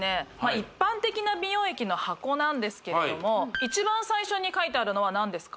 一般的な美容液の箱なんですけれども一番最初に書いてあるのは何ですか？